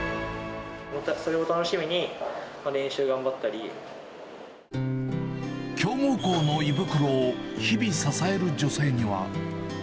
僕たち食事を楽しみに練習頑強豪校の胃袋を日々支える女性には。